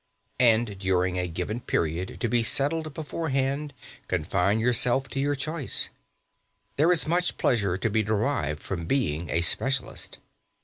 And during a given period, to be settled beforehand, confine yourself to your choice. There is much pleasure to be derived from being a specialist.